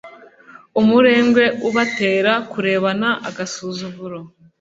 umurengwe ubatera kurebana agasuzuguro